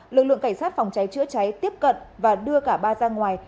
lực lượng cảnh sát phòng cháy chữa cháy tiếp cận và đưa cả ba ra ngoài